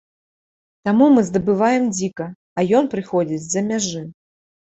Таму мы здабываем дзіка, а ён прыходзіць з-за мяжы.